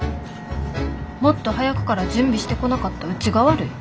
もっと早くから準備してこなかったうちが悪い。